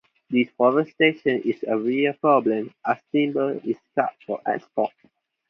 Deforestation is a real problem as timber is cut for export.